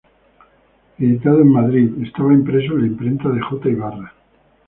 Editado en Madrid, estaba impreso en la imprenta de J. Ibarra.